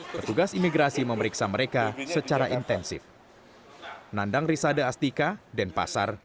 petugas imigrasi memeriksa mereka secara intensif